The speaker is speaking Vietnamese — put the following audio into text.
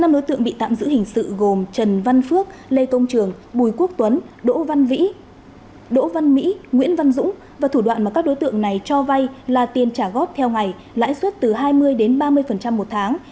năm đối tượng bị tạm giữ hình sự gồm trần văn phước lê công trường bùi quốc tuấn đỗ văn vĩ đỗ văn mỹ nguyễn văn dũng và thủ đoạn mà các đối tượng này cho vay là tiền trả góp theo ngày lãi suất từ hai mươi đến ba mươi một tháng